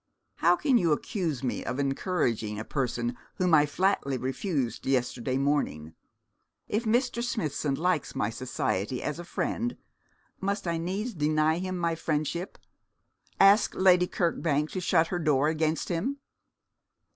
'How can you accuse me of encouraging a person whom I flatly refused yesterday morning? If Mr. Smithson likes my society as a friend, must I needs deny him my friendship, ask Lady Kirkbank to shut her door against him?